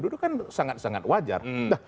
dulu kan sangat sangat wajar